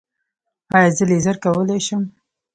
ایا زه لیزر کولی شم؟